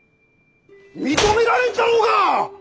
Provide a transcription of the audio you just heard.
認められんじゃろうが！